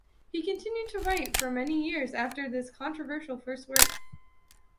He continued to write for many years after this controversial first work.